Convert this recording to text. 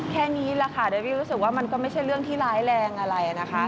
แค่นี้แหละค่ะโดยพี่รู้สึกว่ามันก็ไม่ใช่เรื่องที่ร้ายแรงอะไรนะคะ